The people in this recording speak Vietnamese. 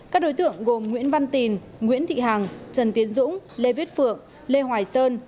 các đối tượng gồm nguyễn văn tín nguyễn thị hằng trần tiến dũng lê viết phượng lê hoài sơn